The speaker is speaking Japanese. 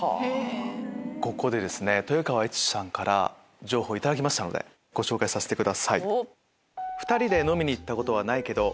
ここで豊川悦司さんから情報頂きましたのでご紹介させてください。